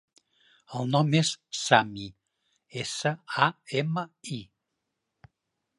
El nom és Sami: essa, a, ema, i.